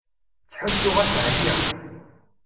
Ttḥussuɣ-as ɛyiɣ.